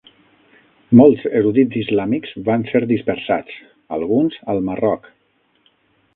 Molts erudits islàmics van ser dispersats, alguns al Marroc.